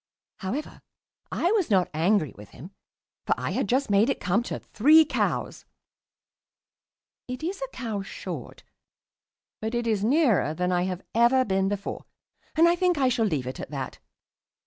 However, I was not angry with him, for I had just made it come to "three cows." It is a cow short, but it is nearer than I have ever been before, and I think I shall leave it at that.